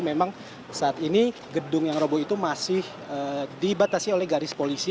memang saat ini gedung yang robo itu masih dibatasi oleh garis polisi